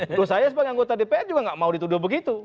menurut saya sebagai anggota dpr juga nggak mau dituduh begitu